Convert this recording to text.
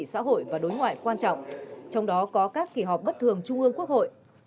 xã hội và đối ngoại quan trọng trong đó có các kỳ họp bất thường trung ương quốc hội